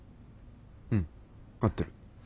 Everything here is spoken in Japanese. うん合ってる。